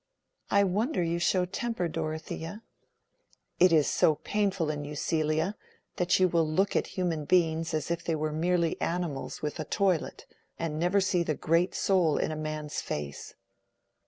"I wonder you show temper, Dorothea." "It is so painful in you, Celia, that you will look at human beings as if they were merely animals with a toilet, and never see the great soul in a man's face."